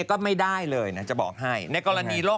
ก็ไม่ได้เลยนะจะบอกให้